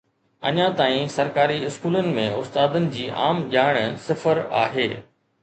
اڃا تائين سرڪاري اسڪولن ۾ استادن جي عام ڄاڻ صفر آهي